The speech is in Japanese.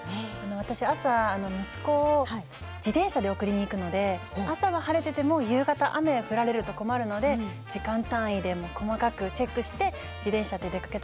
私朝息子を自転車で送りに行くので朝は晴れてても夕方雨降られると困るので時間単位で細かくチェックして自転車で出かけたりするんですよね。